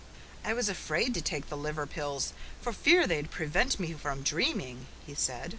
"I was afraid to take the liver pills for fear they'd prevent me from dreaming," he said.